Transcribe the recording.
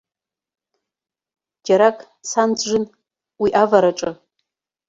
Џьарак сан джын, уи авараҿы.